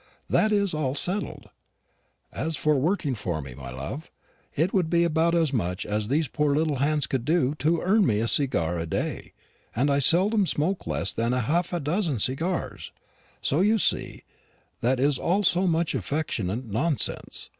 That is all settled. As for working for me, my love, it would be about as much as these poor little hands could do to earn me a cigar a day and I seldom smoke less than half a dozen cigars; so, you see, that is all so much affectionate nonsense.